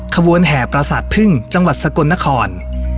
ขบวนแห่ประสาทพึ่งจังหวัดสกลนคร